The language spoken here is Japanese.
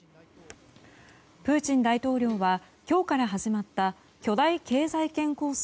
プーチン大統領は今日から始まった巨大経済圏構想